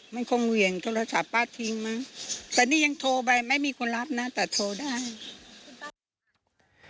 มันคงเหวี่ยงโทรศัพท์ป้าทิ้งมั้งแต่นี่ยังโทรไปไม่มีคนรับนะแต่โทรได้